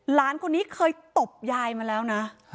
หลานคนนี้เคยตบยายมาแล้วนะ